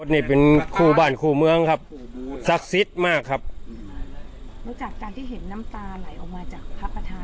นี่เป็นคู่บ้านคู่เมืองครับศักดิ์สิทธิ์มากครับแล้วจากการที่เห็นน้ำตาไหลออกมาจากพระประธาน